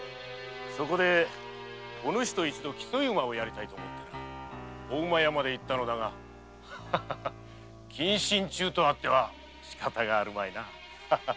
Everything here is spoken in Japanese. そこでお主と一度「競い馬」をやりたいと思ってな御厩まで行ったのだが謹慎中とあってはしかたがあるまいな。